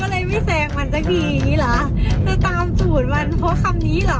ทำไมไม่แสงมันจังทีแบบนี้หรอตามสูตรมันเพราะคำนี้หรอ